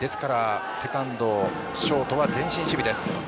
セカンド、ショートは前進守備です。